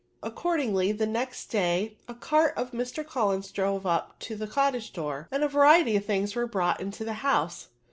Accordingly, the next day a cart of Mr. Cullen's drove up to the cottage door, and a variety of things were brought into the house.